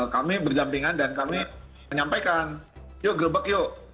kami berdampingan dan kami menyampaikan yuk gerbek yuk